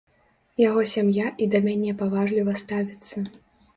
Яго сям'я і да мяне паважліва ставіцца.